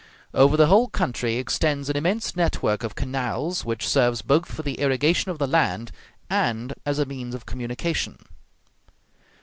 Over the whole country extends an immense network of canals, which serves both for the irrigation of the land and as a means of communication.